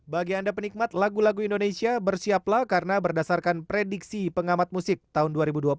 bagi anda penikmat lagu lagu indonesia bersiaplah karena berdasarkan prediksi pengamat musik tahun dua ribu dua puluh